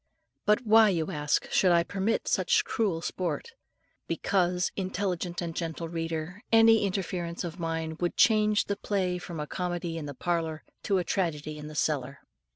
But why, you ask, should I permit such cruel sport? Because, intelligent and gentle reader, any interference of mine would change the play from a comedy in the parlour to a tragedy in the cellar.